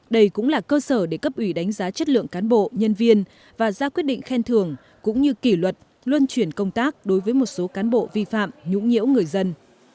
đây cũng là cơ sở để cấp ủy đánh giá chất lượng cán bộ nhân viên và ra quyết định khen thưởng cũng như kỷ luật luân chuyển công tác đối với một số cán bộ vi phạm nhũng nhiễu người dân